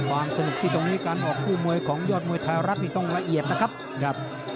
ความสนุกที่ตรงนี้การออกคู่มวยของยอดมวยไทยรัฐนี่ต้องละเอียดนะครับ